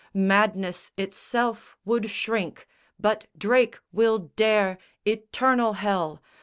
Madness itself would shrink; but Drake will dare Eternal hell!